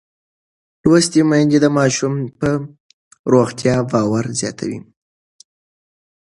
لوستې میندې د ماشوم پر روغتیا باور زیاتوي.